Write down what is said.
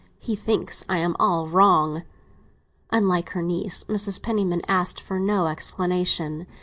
"He thinks I'm all wrong." Unlike her niece, Mrs. Penniman asked for no explanation.